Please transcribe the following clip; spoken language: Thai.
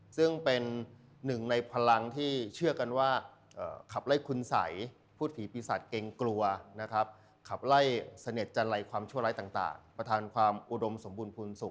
ซึ่งเป็นหนึ่งในพลังที่เชื่อกันว่าขับไล่คุณสัยพูดผีปีศาจเกรงกลัวนะครับขับไล่เสน็จจันไรความชั่วร้ายต่างประธานความอุดมสมบูรณภูมิสุข